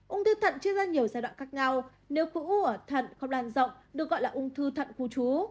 ung thư thật chia ra nhiều giai đoạn khác nhau nếu khu u ở thật không lan rộng được gọi là ung thư thật khu trú